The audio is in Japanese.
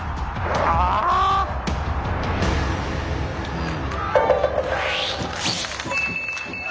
うん。